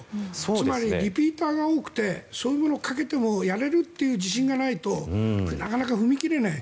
つまりリピーターが多くてそういうものをかけてもやれるという自信がないとなかなか踏み切れない。